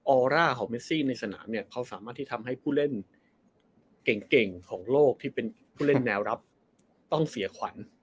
อร่าของเมซี่ในสนามเนี่ยเขาสามารถที่ทำให้ผู้เล่นเก่งของโลกที่เป็นผู้เล่นแนวรับต้องเสียขวัญ